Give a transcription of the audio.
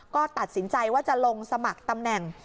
ก็ตัดสินใจว่าจะลงสมัครตำแหน่ง